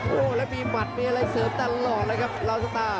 โอ้โหแล้วมีหมัดมีอะไรเสริมตลอดเลยครับลาวสุตา